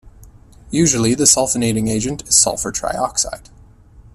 Usually the sulfonating agent is sulfur trioxide.